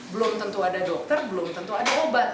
belum tentu ada dokter belum tentu ada obat